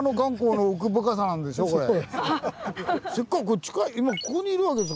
せっかく近い今ここにいるわけです。